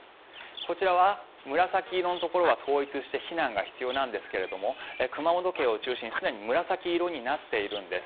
こちらは紫色のところは統一して避難が必要なんですが熊本県を中心にすでに紫色になっているんです。